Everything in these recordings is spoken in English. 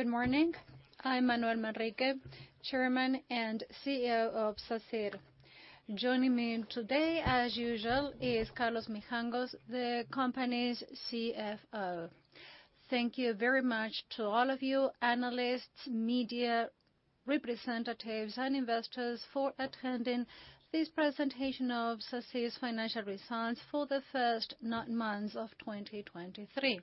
Good morning. I'm Manuel Manrique, Chairman and CEO of Sacyr. Joining me today, as usual, is Carlos Mijangos, the company's CFO. Thank you very much to all of you analysts, media representatives, and investors for attending this presentation of Sacyr's financial results for the first nine months of 2023.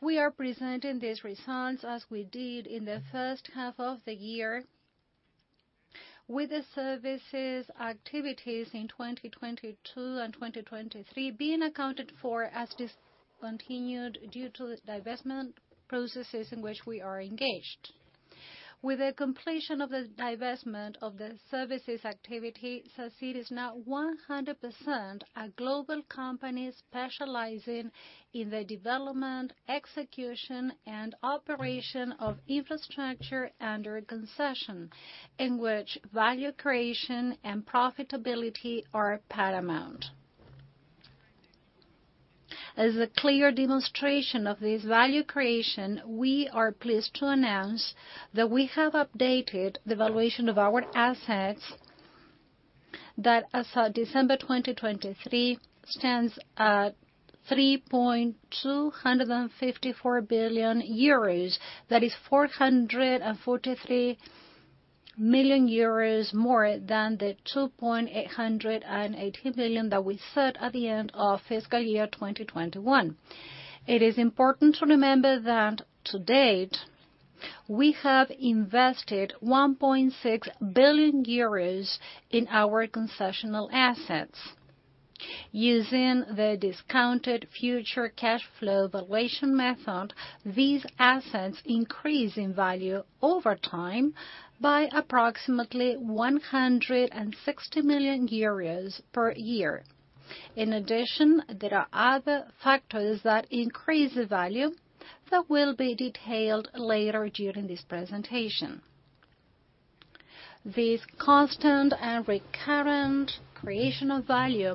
We are presenting these results as we did in the first half of the year, with the services activities in 2022 and 2023 being accounted for as discontinued due to the divestment processes in which we are engaged. With the completion of the divestment of the services activity, Sacyr is now 100% a global company specializing in the development, execution, and operation of infrastructure under concession, in which value creation and profitability are paramount. As a clear demonstration of this value creation, we are pleased to announce that we have updated the valuation of our assets that, as of December 2023, stands at 3.254 billion euros. That is 443 million euros more than the 2.880 billion that we set at the end of fiscal year 2021. It is important to remember that to date, we have invested 1.6 billion euros in our concessional assets. Using the discounted future cash flow valuation method, these assets increase in value over time by approximately 160 million euros per year. In addition, there are other factors that increase the value that will be detailed later during this presentation. This constant and recurrent creation of value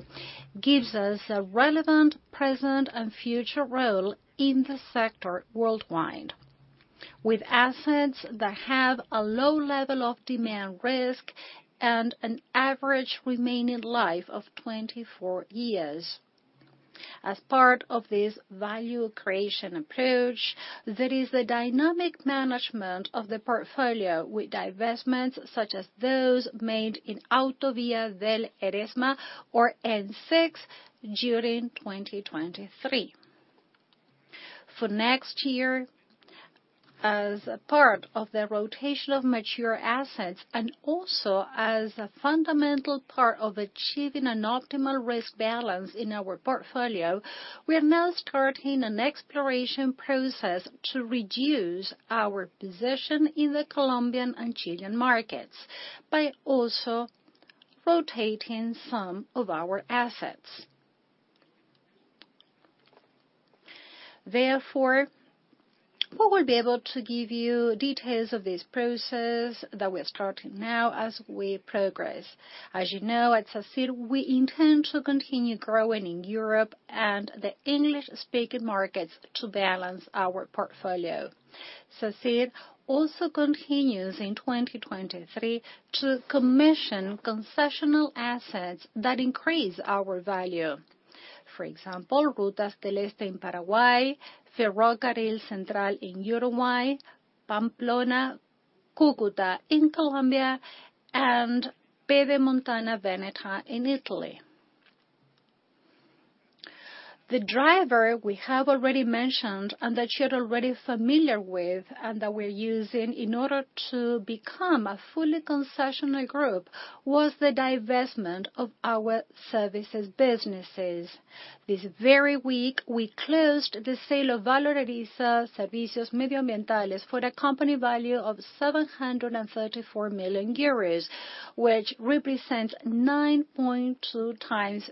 gives us a relevant present and future role in the sector worldwide, with assets that have a low level of demand risk and an average remaining life of 24 years. As part of this value creation approach, there is a dynamic management of the portfolio with divestments such as those made in Autovía del Eresma or N-6 during 2023. For next year, as a part of the rotation of mature assets, and also as a fundamental part of achieving an optimal risk balance in our portfolio, we are now starting an exploration process to reduce our position in the Colombian and Chilean markets by also rotating some of our assets. Therefore, we will be able to give you details of this process that we are starting now as we progress. As you know, at Sacyr, we intend to continue growing in Europe and the English-speaking markets to balance our portfolio. Sacyr also continues in 2023 to commission concessional assets that increase our value. For example, Rutas del Este in Paraguay, Ferrocarril Central in Uruguay, Pamplona-Cúcuta in Colombia, and Pedemontana Veneta in Italy. The driver we have already mentioned, and that you're already familiar with, and that we're using in order to become a fully concessional group, was the divestment of our services businesses. This very week, we closed the sale of Valoriza Servicios Medioambientales for a company value of 734 million euros, which represents 9.2x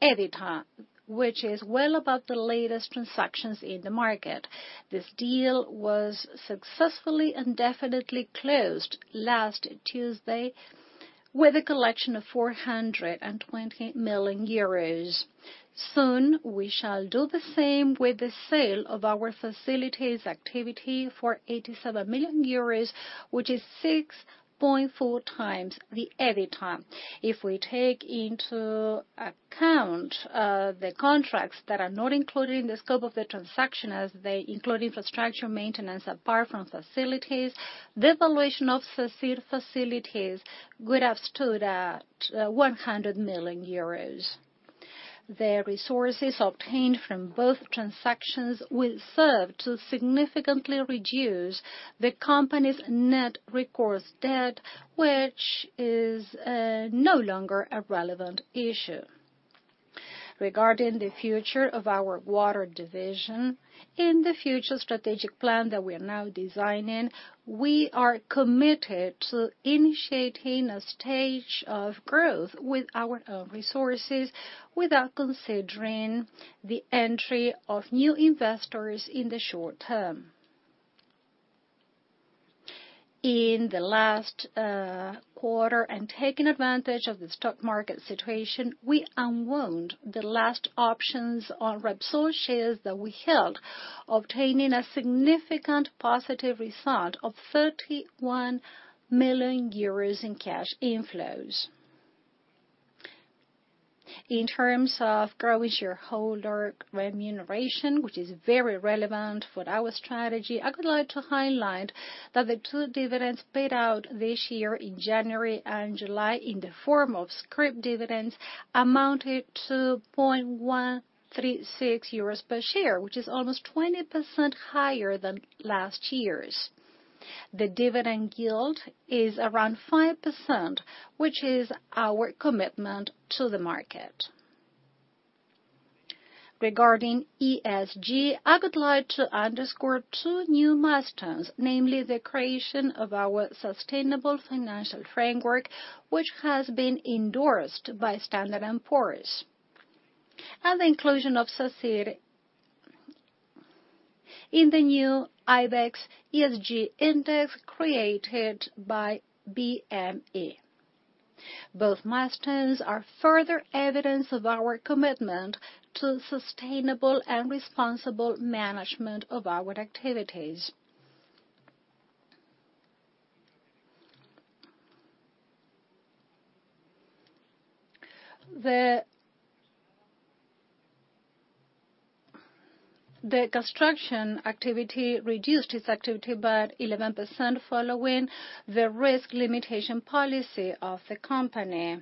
EBITDA, which is well above the latest transactions in the market. This deal was successfully and definitely closed last Tuesday with a collection of 420 million euros. Soon, we shall do the same with the sale of our facilities activity for 87 million euros, which is 6.4x the EBITDA. If we take into account the contracts that are not included in the scope of the transaction, as they include infrastructure maintenance apart from facilities, the valuation of Sacyr Facilities would have stood at 100 million euros. The resources obtained from both transactions will serve to significantly reduce the company's net recourse debt, which is no longer a relevant issue. Regarding the future of our water division, in the future strategic plan that we are now designing, we are committed to initiating a stage of growth with our own resources without considering the entry of new investors in the short term.... In the last quarter and taking advantage of the stock market situation, we unwound the last options on Repsol shares that we held, obtaining a significant positive result of 31 million euros in cash inflows. In terms of growth shareholder remuneration, which is very relevant for our strategy, I would like to highlight that the two dividends paid out this year in January and July, in the form of scrip dividends, amounted to 0.136 euros per share, which is almost 20% higher than last year's. The dividend yield is around 5%, which is our commitment to the market. Regarding ESG, I would like to underscore two new milestones, namely the creation of our sustainable financial framework, which has been endorsed by Standard & Poor's, and the inclusion of Sacyr in the new IBEX ESG Index, created by BME. Both milestones are further evidence of our commitment to sustainable and responsible management of our activities. The construction activity reduced its activity by 11% following the risk limitation policy of the company.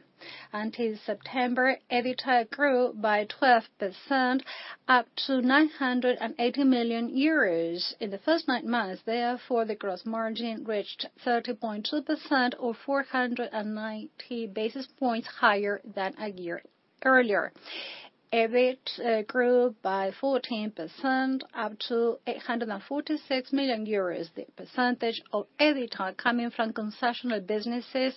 Until September, EBITDA grew by 12%, up to 980 million euros in the first nine months. Therefore, the gross margin reached 30.2% or 490 basis points higher than a year earlier. EBIT grew by 14%, up to 846 million euros. The percentage of EBITDA coming from concessional businesses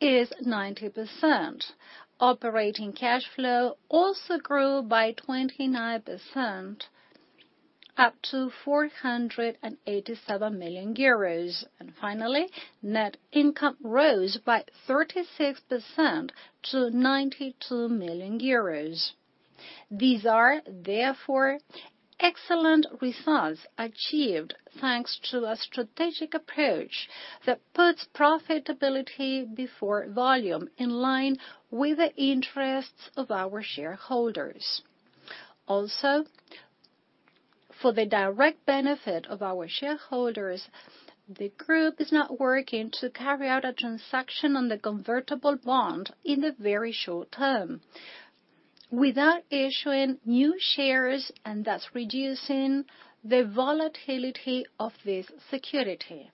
is 90%. Operating cash flow also grew by 29%, up to 487 million euros. And finally, net income rose by 36% to 92 million euros. These are therefore excellent results achieved thanks to a strategic approach that puts profitability before volume, in line with the interests of our shareholders. Also, for the direct benefit of our shareholders, the group is now working to carry out a transaction on the convertible bond in the very short term, without issuing new shares, and thus reducing the volatility of this security.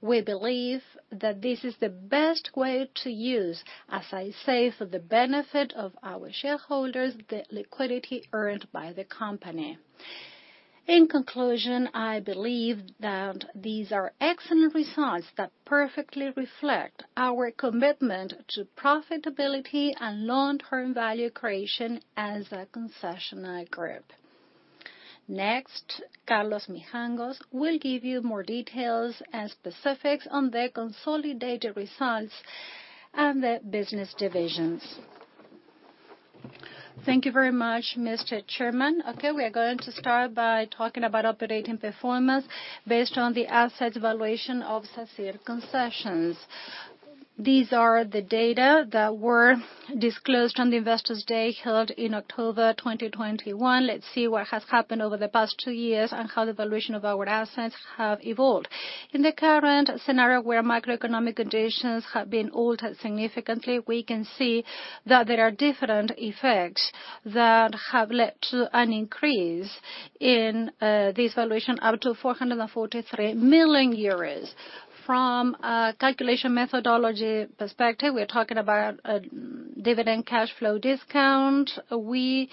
We believe that this is the best way to use, as I say, for the benefit of our shareholders, the liquidity earned by the company. In conclusion, I believe that these are excellent results that perfectly reflect our commitment to profitability and long-term value creation as a concessional group. Next, Carlos Mijangos will give you more details and specifics on the consolidated results and the business divisions. Thank you very much, Mr. Chairman. Okay, we are going to start by talking about operating performance based on the asset valuation of Sacyr Concesiones. These are the data that were disclosed on the Investors Day, held in October 2021. Let's see what has happened over the past two years and how the valuation of our assets have evolved. In the current scenario, where macroeconomic conditions have been altered significantly, we can see that there are different effects that have led to an increase in this valuation up to 443 million euros. From a calculation methodology perspective, we are talking about a discounted cash flow. We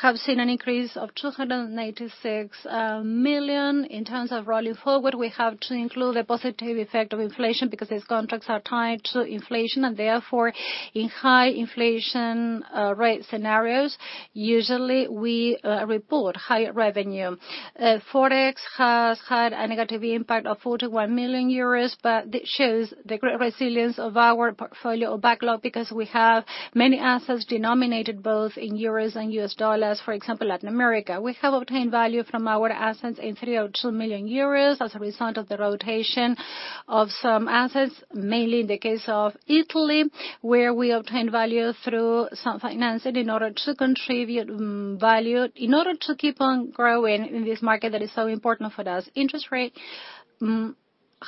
have seen an increase of 286 million. In terms of rolling forward, we have to include the positive effect of inflation, because these contracts are tied to inflation, and therefore, in high inflation rate scenarios, usually we report higher revenue. Forex has had a negative impact of 41 million euros, but this shows the great resilience of our portfolio or backlog, because we have many assets denominated both in euros and U.S. dollars. For example, Latin America. We have obtained value from our assets in 300 million euros as a result of the rotation of some assets, mainly in the case of Italy, where we obtained value through some financing in order to contribute value. In order to keep on growing in this market that is so important for us, interest rates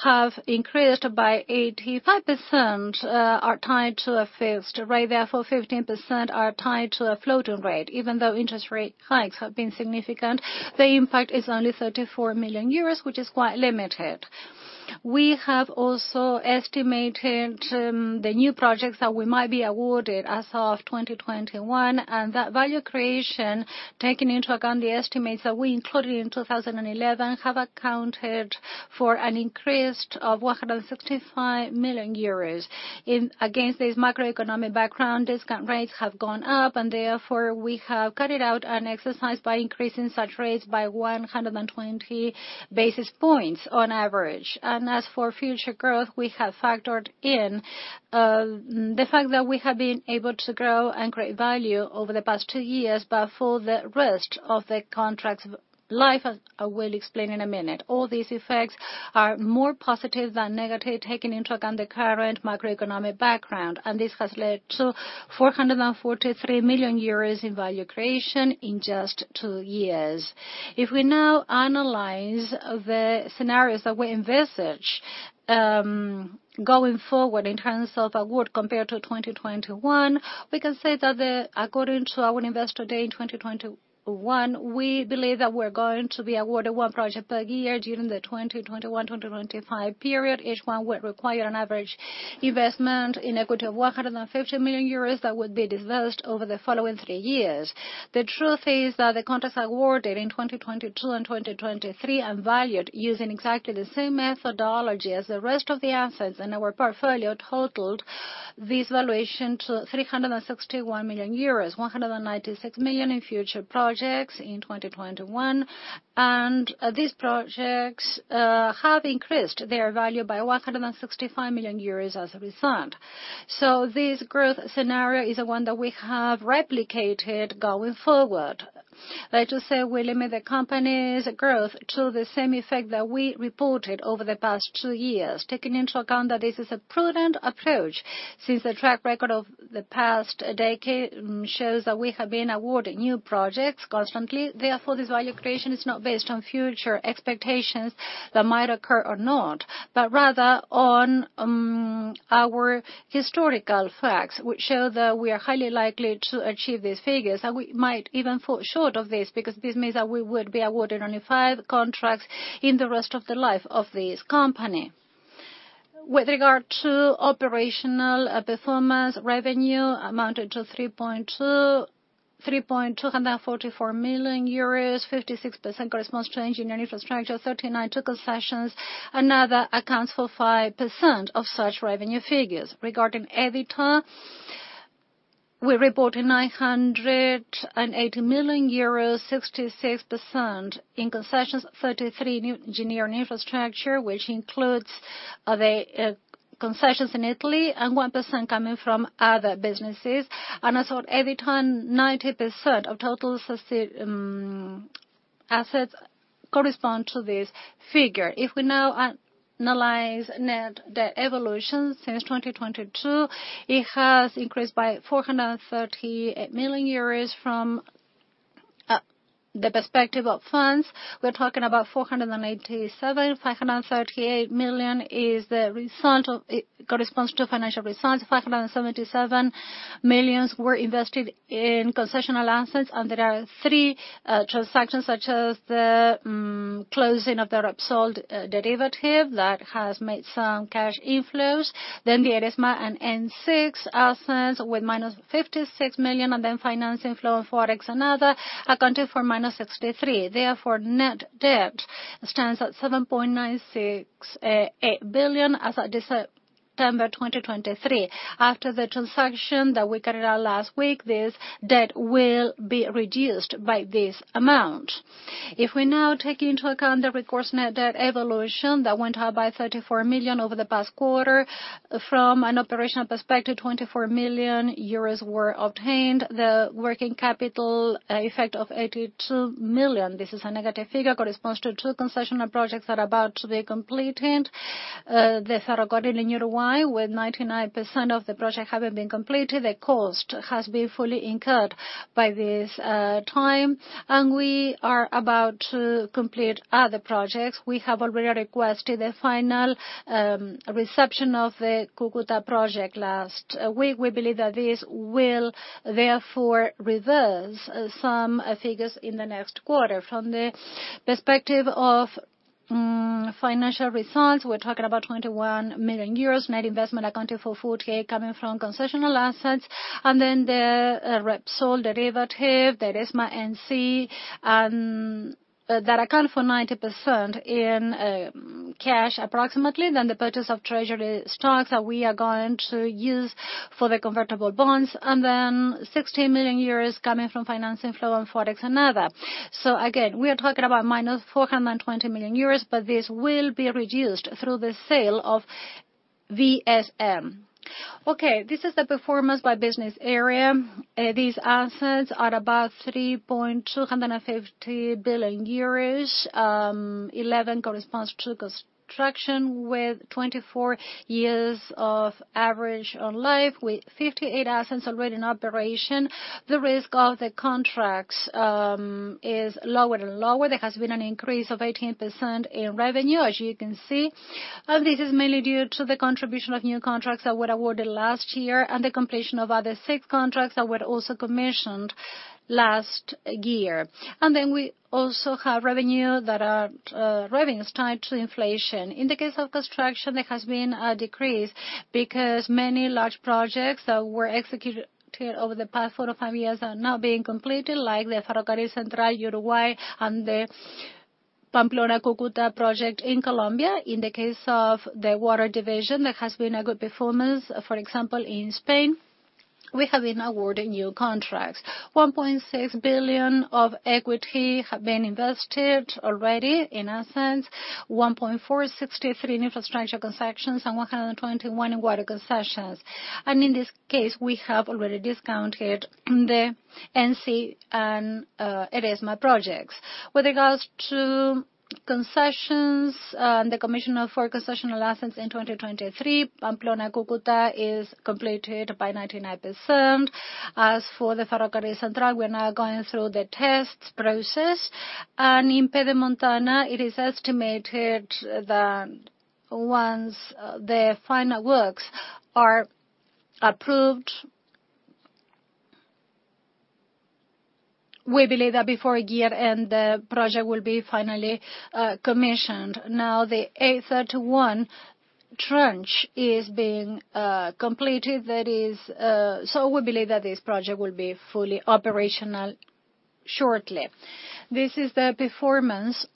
have increased by 85%, are tied to a fixed rate, therefore, 15% are tied to a floating rate. Even though interest rate hikes have been significant, the impact is only 34 million euros, which is quite limited. We have also estimated the new projects that we might be awarded as of 2021, and that value creation, taking into account the estimates that we included in 2011, have accounted for an increase of 165 million euros. In against this macroeconomic background, discount rates have gone up, and therefore, we have carried out an exercise by increasing such rates by 120 basis points on average. As for future growth, we have factored in the fact that we have been able to grow and create value over the past two years, but for the rest of the contract's life, as I will explain in a minute. All these effects are more positive than negative, taking into account the current macroeconomic background, and this has led to 443 million euros in value creation in just two years. If we now analyze the scenarios that we envisage, going forward in terms of award compared to 2021, we can say that, according to our Investor Day in 2021, we believe that we're going to be awarded one project per year during the 2021 to 2025 period. Each one will require an average investment in equity of 150 million euros that would be dispersed over the following three years. The truth is that the contracts awarded in 2022 and 2023 are valued using exactly the same methodology as the rest of the assets in our portfolio totaled this valuation to 361 million euros, 196 million in future projects in 2021. And these projects have increased their value by 165 million euros as a result. So this growth scenario is the one that we have replicated going forward. That is to say, we limit the company's growth to the same effect that we reported over the past two years, taking into account that this is a prudent approach, since the track record of the past decade shows that we have been awarding new projects constantly. Therefore, this value creation is not based on future expectations that might occur or not, but rather on our historical facts, which show that we are highly likely to achieve these figures. And we might even fall short of this, because this means that we would be awarded only five contracts in the rest of the life of this company. With regard to operational performance, revenue amounted to 324 million euros, 56% corresponds to engineering infrastructure, 39% to concessions. Another accounts for 5% of such revenue figures. Regarding EBITDA, we reported EUR 980 million, 66% in concessions, 33% in new engineering infrastructure, which includes the concessions in Italy and 1% coming from other businesses. As for EBITDA, 90% of total assets correspond to this figure. If we now analyze net debt evolution since 2022, it has increased by 430 million euros from the perspective of funds; we're talking about 487 million. 538 million is the result of—it corresponds to financial results. 577 million were invested in concessional assets, and there are three transactions, such as the closing of the Repsol derivative that has made some cash inflows. Then the Eresma and N-6 assets with -56 million, and then financing flow and Forex and other accounted for -63. Therefore, net debt stands at 7.96-8 billion as at December 2023. After the transaction that we carried out last week, this debt will be reduced by this amount. If we now take into account the recourse net debt evolution that went up by 34 million over the past quarter, from an operational perspective, 24 million euros were obtained. The working capital effect of 82 million, this is a negative figure, corresponds to two concessional projects that are about to be completed. The Farol Barão in Uruguay, with 99% of the project having been completed, the cost has been fully incurred by this time, and we are about to complete other projects. We have already requested the final reception of the Cúcuta project last week. We believe that this will therefore reverse some figures in the next quarter. From the perspective of financial results, we're talking about 21 million euros, net investment accounting for 48 coming from concessional assets, and then the Repsol derivative, the Eresma N-6, that account for 90% in cash, approximately. Then the purchase of treasury stocks that we are going to use for the convertible bonds, and then 60 million euros coming from financing flow and Forex and other. So again, we are talking about -420 million euros, but this will be reduced through the sale of VSM. Okay, this is the performance by business area. These assets are about 3.250 billion euros. Eleven corresponds to construction, with 24 years of average on life, with 58 assets already in operation. The risk of the contracts is lower and lower. There has been an increase of 18% in revenue, as you can see, and this is mainly due to the contribution of new contracts that were awarded last year and the completion of other six contracts that were also commissioned last year. We also have revenues tied to inflation. In the case of construction, there has been a decrease because many large projects that were executed over the past four or five years are now being completed, like the Ferrocarril Central in Uruguay and the Pamplona-Cúcuta project in Colombia. In the case of the water division, there has been a good performance. For example, in Spain, we have been awarding new contracts. 1.6 billion of equity have been invested already, in essence, 1.463 billion in infrastructure concessions and 121 million in water concessions. In this case, we have already discounted the N-6 and Eresma projects. With regards to concessions, the commission of four concessional assets in 2023, Pamplona-Cúcuta is completed by 99%. As for the Ferrocarril Central, we're now going through the tests process. In Pedemontana, it is estimated that once the final works are approved, we believe that before year end, the project will be finally commissioned. Now, the A31 trench is being completed, that is. So we believe that this project will be fully operational shortly. This is the performance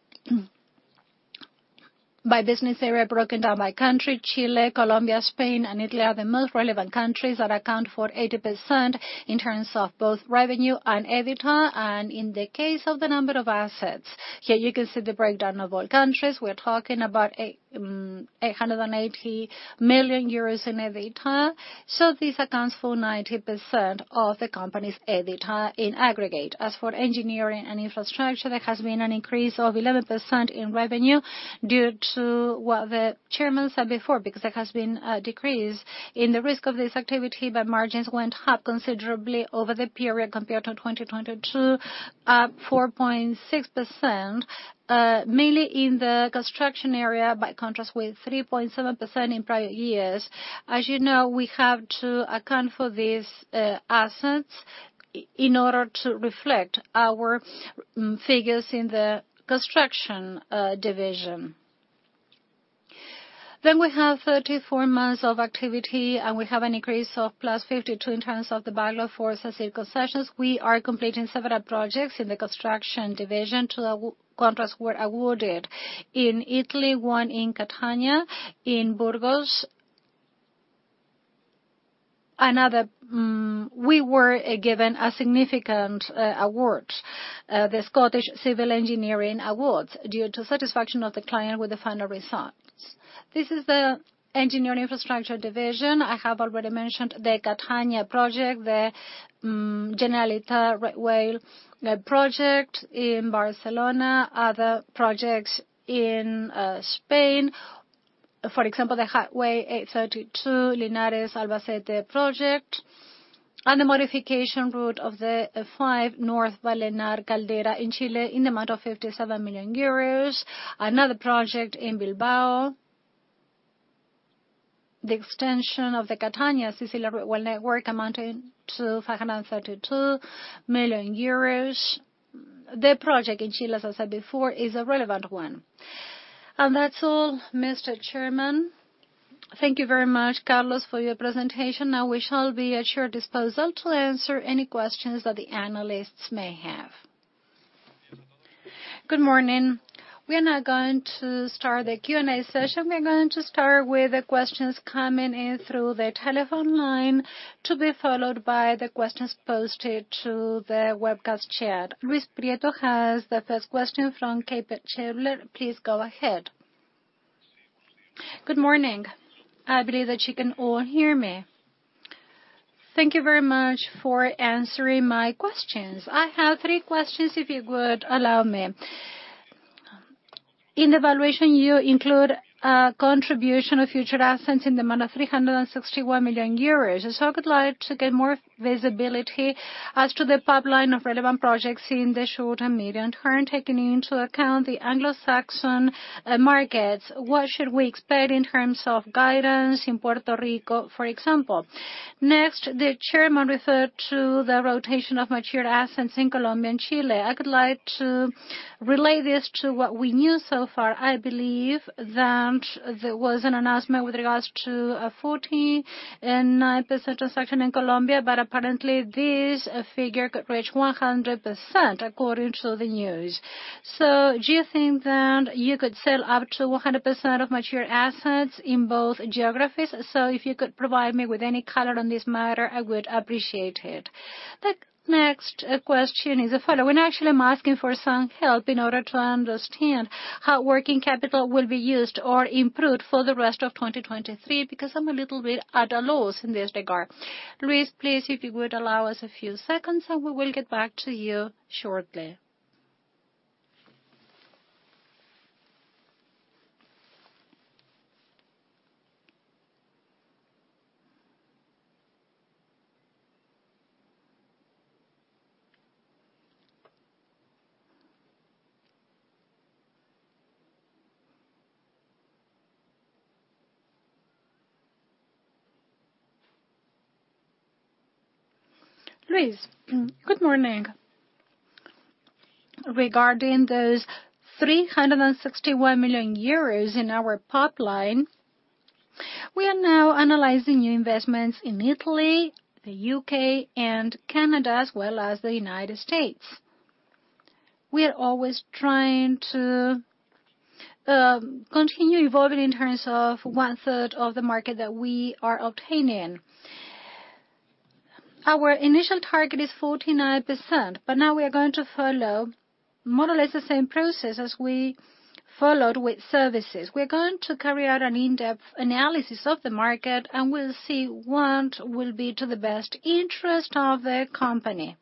by business area, broken down by country. Chile, Colombia, Spain, and Italy are the most relevant countries that account for 80% in terms of both revenue and EBITDA, and in the case of the number of assets. Here, you can see the breakdown of all countries. We're talking about 880 million euros in EBITDA, so this accounts for 90% of the company's EBITDA in aggregate. As for engineering and infrastructure, there has been an increase of 11% in revenue due to what the chairman said before, because there has been a decrease in the risk of this activity, but margins went up considerably over the period compared to 2022, 4.6%, mainly in the construction area, by contrast, with 3.7% in prior years. As you know, we have to account for these assets in order to reflect our figures in the construction division. Then we have 34 months of activity, and we have an increase of +52 in terms of the backlog for concessions. We are completing several projects in the construction division. Two contracts were awarded in Italy, one in Catania, in Burgos. Another, we were given a significant award, the Scottish Civil Engineering Awards, due to satisfaction of the client with the final results. This is the engineering infrastructure division. I have already mentioned the Catania project, the Generalitat rail project in Barcelona. Other projects in Spain, for example, the Highway A-32 Linares-Albacete project, and the modification route of the 5 North Vallenar-Caldera in Chile, in the amount of 57 million euros. Another project in Bilbao, the extension of the Catania Sicily rail network, amounting to 532 million euros. The project in Chile, as I said before, is a relevant one. And that's all, Mr. Chairman. Thank you very much, Carlos, for your presentation. Now, we shall be at your disposal to answer any questions that the analysts may have. Good morning. We are now going to start the Q&A session. We're going to start with the questions coming in through the telephone line, to be followed by the questions posted to the webcast chat. Luis Prieto has the first question from Kepler Cheuvreux. Please go ahead. Good morning. I believe that you can all hear me. Thank you very much for answering my questions. I have three questions, if you would allow me. In the valuation, you include a contribution of future assets in the amount of 361 million euros, so I would like to get more visibility as to the pipeline of relevant projects in the short and medium term. Taking into account the Anglo-Saxon markets, what should we expect in terms of guidance in Puerto Rico, for example? Next, the Chairman referred to the rotation of mature assets in Colombia and Chile. I would like to relate this to what we knew so far. I believe that there was an announcement with regards to a 49% transaction in Colombia, but apparently, this figure could reach 100%, according to the news. So do you think that you could sell up to 100% of mature assets in both geographies? So if you could provide me with any color on this matter, I would appreciate it. The next, question is the following. Actually, I'm asking for some help in order to understand how working capital will be used or improved for the rest of 2023, because I'm a little bit at a loss in this regard. Luis, please, if you would allow us a few seconds, and we will get back to you shortly. Luis, good morning. Regarding those 361 million euros in our pipeline. We are now analyzing new investments in Italy, the U.K., and Canada, as well as the United States. We are always trying to continue evolving in terms of one third of the market that we are obtaining. Our initial target is 49%, but now we are going to follow more or less the same process as we followed with services. We're going to carry out an in-depth analysis of the market, and we'll see what will be to the best interest of the company.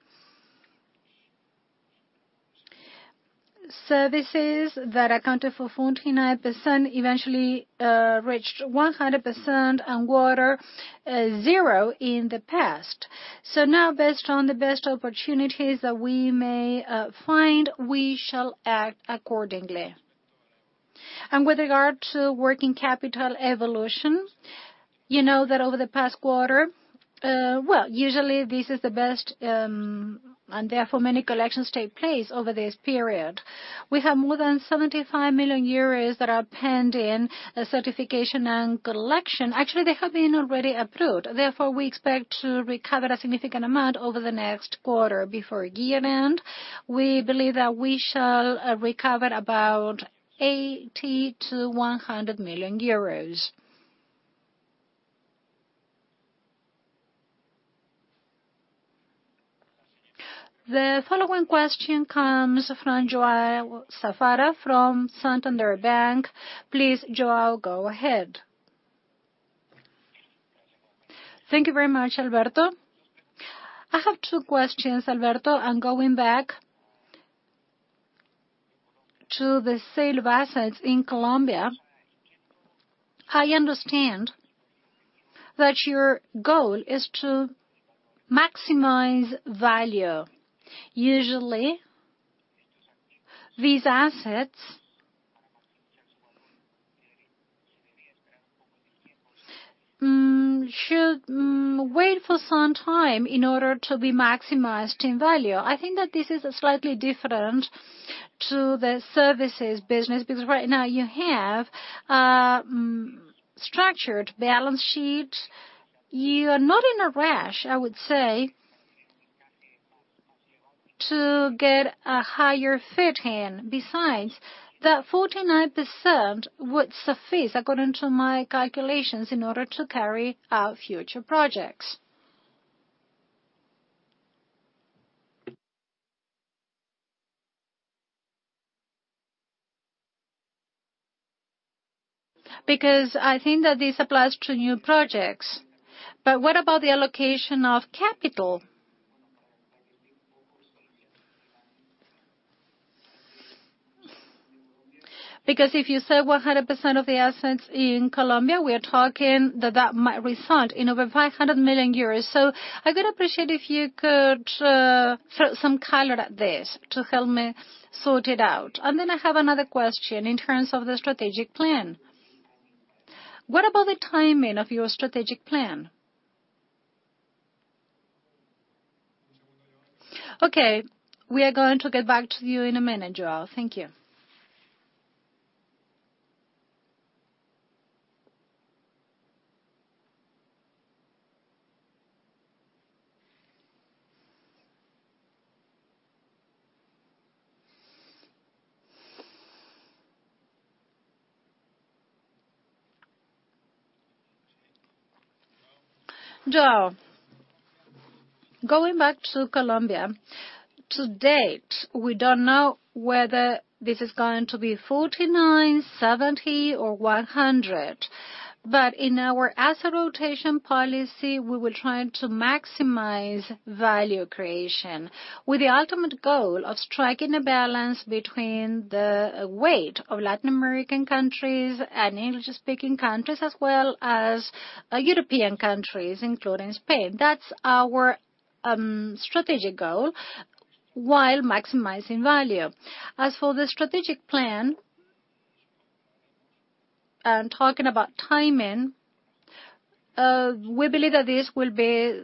Services that accounted for 49% eventually reached 100% and water 0 in the past. So now, based on the best opportunities that we may find, we shall act accordingly. And with regard to working capital evolution, you know that over the past quarter, well, usually this is the best, and therefore, many collections take place over this period. We have more than 75 million euros that are pending a certification and collection. Actually, they have been already approved. Therefore, we expect to recover a significant amount over the next quarter before year-end. We believe that we shall recover about EUR 80 million-EUR 100 million. The following question comes from João Safara from Santander Bank. Please, João, go ahead. Thank you very much, Alberto. I have two questions, Alberto. I'm going back to the sale of assets in Colombia. I understand that your goal is to maximize value. Usually, these assets should wait for some time in order to be maximized in value. I think that this is slightly different to the services business, because right now you have structured balance sheet. You are not in a rush, I would say, to get a higher fit in. Besides, that 49% would suffice, according to my calculations, in order to carry out future projects. Because I think that this applies to new projects, but what about the allocation of capital? Because if you sell 100% of the assets in Colombia, we are talking that that might result in over 500 million euros. So I would appreciate if you could throw some color at this to help me sort it out. And then I have another question in terms of the strategic plan. What about the timing of your strategic plan? Okay, we are going to get back to you in a minute, João. Thank you. João, going back to Colombia, to date, we don't know whether this is going to be 49, 70 or 100, but in our asset rotation policy, we will try to maximize value creation with the ultimate goal of striking a balance between the weight of Latin American countries and English-speaking countries, as well as European countries, including Spain. That's our strategic goal, while maximizing value. As for the strategic plan, talking about timing, we believe that this will be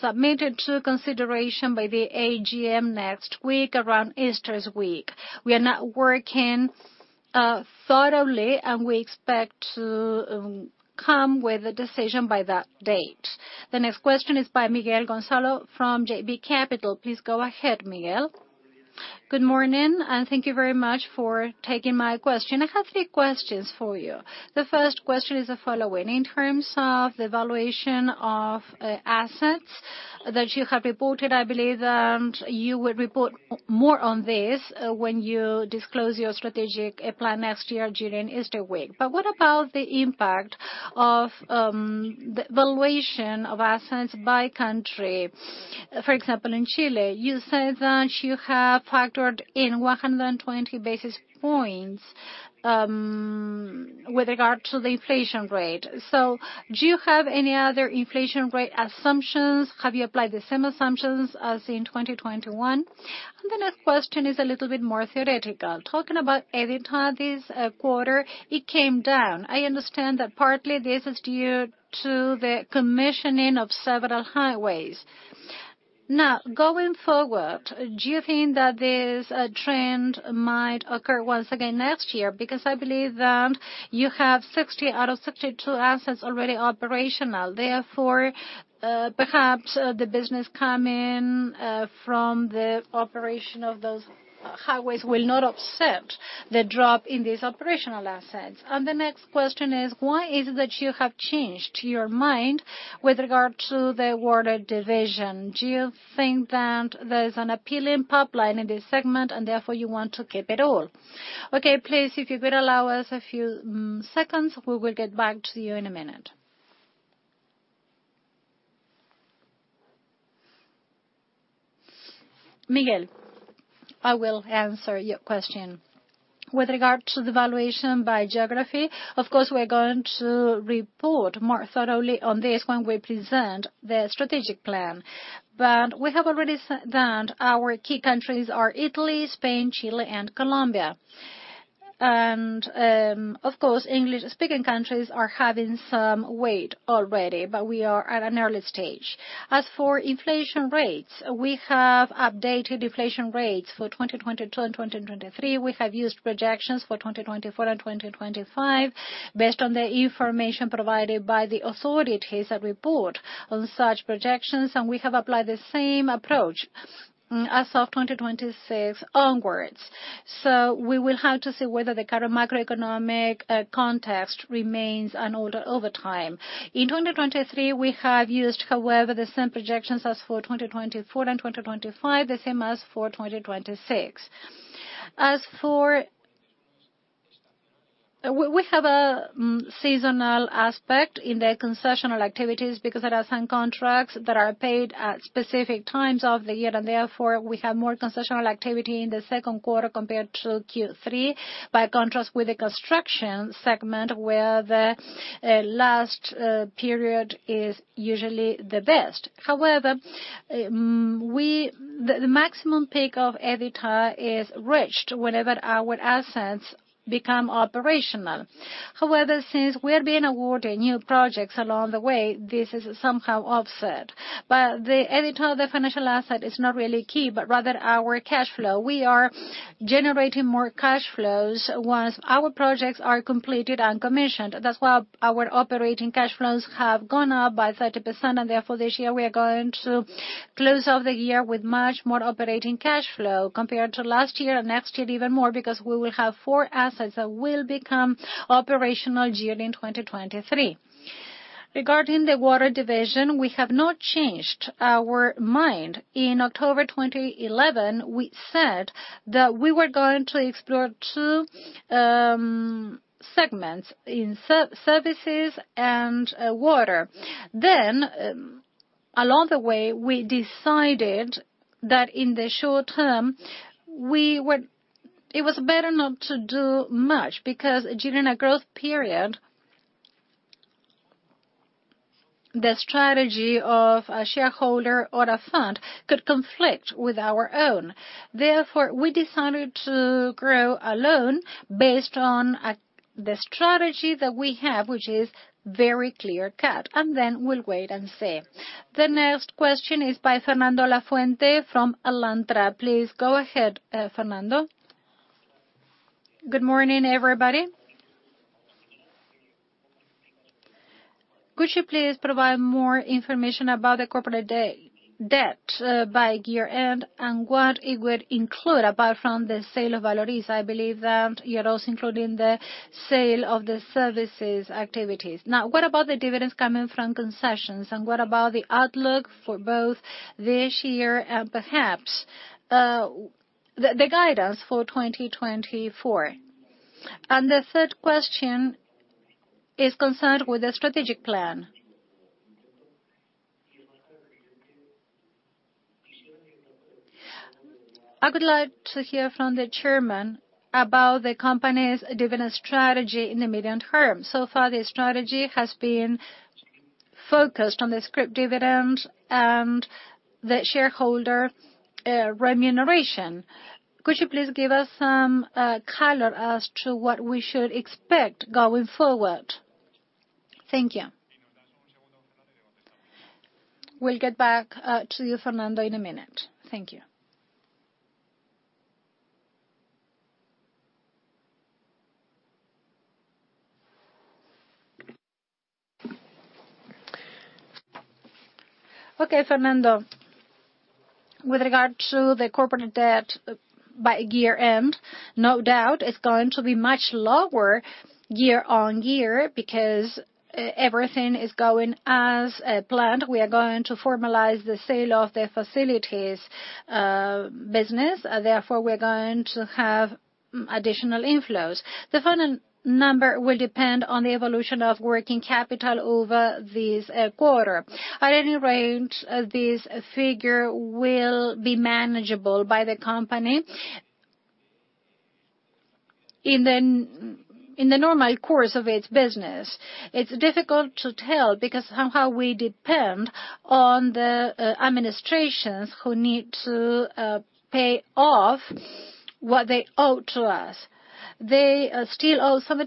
submitted to consideration by the AGM next week, around Easter's week. We are now working thoroughly, and we expect to come with a decision by that date. The next question is by Miguel Gonzalo from JB Capital. Please go ahead, Miguel. Good morning, and thank you very much for taking my question. I have three questions for you. The first question is the following: in terms of the valuation of assets that you have reported, I believe that you would report more on this when you disclose your strategic plan next year during Easter week. But what about the impact of the valuation of assets by country? For example, in Chile, you said that you have factored in 120 basis points with regard to the inflation rate. So do you have any other inflation rate assumptions? Have you applied the same assumptions as in 2021? And the next question is a little bit more theoretical. Talking about EBITDA this quarter, it came down. I understand that partly this is due to the commissioning of several highways.... Now, going forward, do you think that this trend might occur once again next year? Because I believe that you have 60 out of 62 assets already operational. Therefore, perhaps, the business coming from the operation of those highways will not upset the drop in these operational assets. And the next question is, why is it that you have changed your mind with regard to the water division? Do you think that there's an appealing pipeline in this segment, and therefore you want to keep it all? Okay, please, if you could allow us a few seconds, we will get back to you in a minute. Miguel, I will answer your question. With regard to the valuation by geography, of course, we're going to report more thoroughly on this when we present the strategic plan. But we have already said that our key countries are Italy, Spain, Chile, and Colombia, and, of course, English-speaking countries are having some weight already, but we are at an early stage. As for inflation rates, we have updated inflation rates for 2022 and 2023. We have used projections for 2024 and 2025 based on the information provided by the authorities that report on such projections, and we have applied the same approach, as of 2026 onwards. So we will have to see whether the current macroeconomic context remains unaltered over time. In 2023, we have used, however, the same projections as for 2024 and 2025, the same as for 2026. As for... We have a seasonal aspect in the concession activities because there are some contracts that are paid at specific times of the year, and therefore, we have more concession activity in the second quarter compared to Q3, by contrast, with the construction segment, where the last period is usually the best. However, the maximum peak of EBITDA is reached whenever our assets become operational. However, since we are being awarded new projects along the way, this is somehow offset. But the EBITDA, the financial asset, is not really key, but rather our cash flow. We are generating more cash flows once our projects are completed and commissioned. That's why our operating cash flows have gone up by 30%, and therefore, this year we are going to close out the year with much more operating cash flow compared to last year and next year even more, because we will have four assets that will become operational during 2023. Regarding the water division, we have not changed our mind. In October 2011, we said that we were going to explore two segments in services and water. Then, along the way, we decided that in the short term, it was better not to do much, because during a growth period, the strategy of a shareholder or a fund could conflict with our own. Therefore, we decided to grow alone based on the strategy that we have, which is very clear-cut, and then we'll wait and see. The next question is by Fernando Lafuente from Alantra. Please go ahead, Fernando. Good morning, everybody. Could you please provide more information about the corporate debt, debt, by year-end, and what it would include apart from the sale of Valoriza? I believe that you're also including the sale of the services activities. Now, what about the dividends coming from concessions, and what about the outlook for both this year and perhaps the guidance for 2024? And the third question is concerned with the strategic plan. I would like to hear from the chairman about the company's dividend strategy in the medium term. So far, the strategy has been focused on the scrip dividend and the shareholder remuneration. Could you please give us some color as to what we should expect going forward? Thank you. We'll get back to you, Fernando, in a minute. Thank you. Okay, Fernando, with regard to the corporate debt by year-end, no doubt it's going to be much lower year-on-year because everything is going as planned. We are going to formalize the sale of the facilities business. Therefore, we're going to have additional inflows. The final number will depend on the evolution of working capital over this quarter. At any rate, this figure will be manageable by the company in the normal course of its business. It's difficult to tell because somehow we depend on the administrations who need to pay off what they owe to us. They still owe some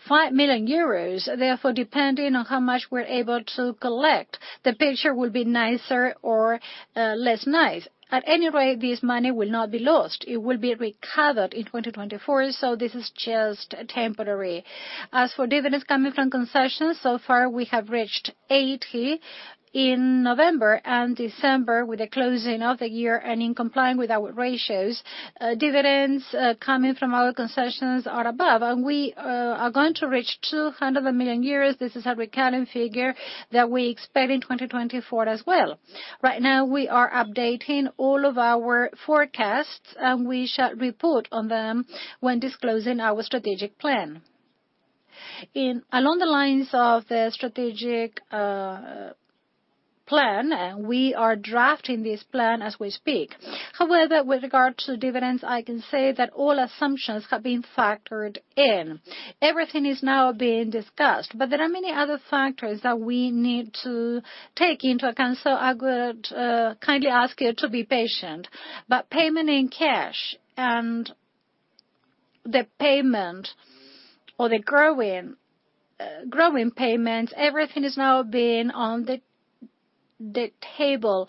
5 million euros. Therefore, depending on how much we're able to collect, the picture will be nicer or less nice. At any rate, this money will not be lost. It will be recovered in 2024, so this is just temporary. As for dividends coming from concessions, so far we have reached 80 million in November and December, with the closing of the year and in complying with our ratios. Dividends coming from our concessions are above, and we are going to reach 200 million. This is a recurring figure that we expect in 2024 as well. Right now, we are updating all of our forecasts, and we shall report on them when disclosing our strategic plan. Along the lines of the strategic plan, and we are drafting this plan as we speak. However, with regard to dividends, I can say that all assumptions have been factored in. Everything is now being discussed, but there are many other factors that we need to take into account, so I would kindly ask you to be patient. But payment in cash and the payment or the growing, growing payments, everything is now being on the table,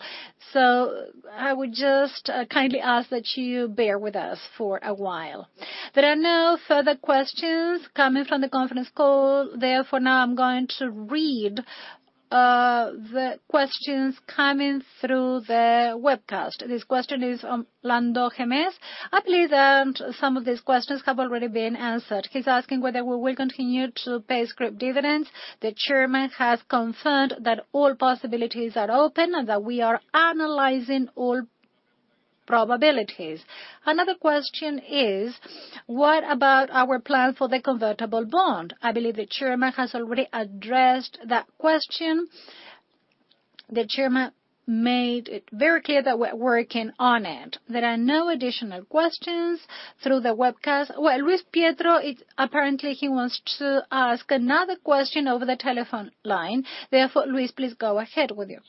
so I would just kindly ask that you bear with us for a while. There are no further questions coming from the conference call. Therefore, now I'm going to read the questions coming through the webcast. This question is from Lando Hermes. I believe some of these questions have already been answered. He's asking whether we will continue to pay scrip dividends. The chairman has confirmed that all possibilities are open and that we are analyzing all probabilities. Another question is, "What about our plan for the convertible bond?" I believe the chairman has already addressed that question. The chairman made it very clear that we're working on it. There are no additional questions through the webcast. Well, Luis Prieto, it's apparently he wants to ask another question over the telephone line. Therefore, Luis, please go ahead with your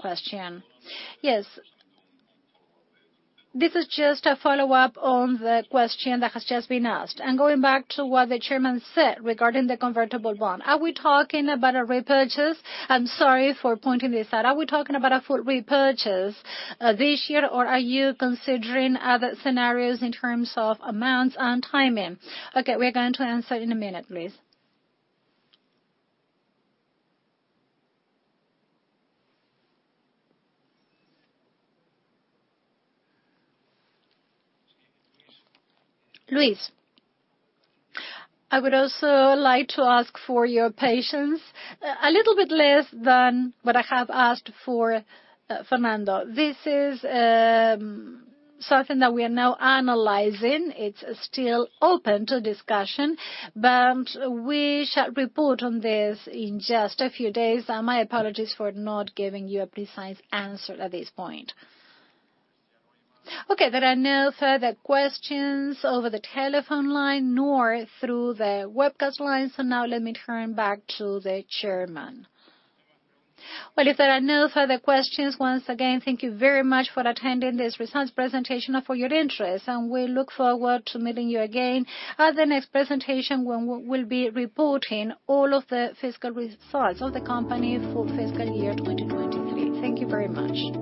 question. Yes. This is just a follow-up on the question that has just been asked, and going back to what the chairman said regarding the convertible bond, are we talking about a repurchase? I'm sorry for pointing this out. Are we talking about a full repurchase this year, or are you considering other scenarios in terms of amounts and timing? Okay, we're going to answer in a minute, please. Luis, I would also like to ask for your patience, a little bit less than what I have asked for, Fernando. This is something that we are now analyzing. It's still open to discussion, but we shall report on this in just a few days, and my apologies for not giving you a precise answer at this point. Okay, there are no further questions over the telephone line nor through the webcast line, so now let me turn back to the chairman. Well, if there are no further questions, once again, thank you very much for attending this results presentation and for your interest, and we look forward to meeting you again at the next presentation, when we'll be reporting all of the fiscal results of the company for fiscal year 2023. Thank you very much.